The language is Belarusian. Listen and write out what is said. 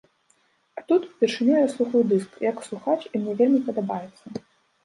А тут, упершыню я слухаю дыск, як слухач, і мне вельмі падабаецца.